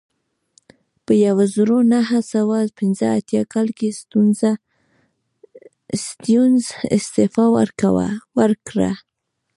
په یوه زرو نهه سوه پنځه اتیا کال کې سټیونز استعفا ورکړه.